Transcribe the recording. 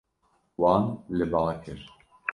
Wan li ba kir.